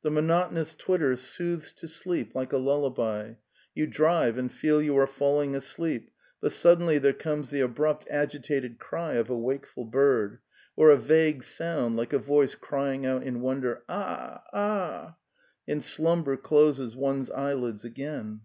The monotonous twitter soothes to sleep like a lullaby; you drive and feel you are falling asleep, but suddenly there comes the abrupt agitated cry of a wakeful bird, or a vague sound like a voice crying out in wonder ' A ah, a ah!'"' and slumber closes one's eyelids again.